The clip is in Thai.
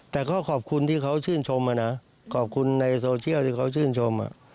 แต่ก็ขอบคุณที่เขาชื่นชมนะขอบคุณในโซเชียลที่เขาชื่นชม